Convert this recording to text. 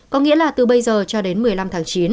có nghĩa là từ bây giờ cho đến một mươi năm tháng chín